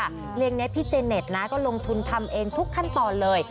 เพลงนี้พี่เจเน็ตนะก็ลงทุนทำเองทุกขั้นตอนเลย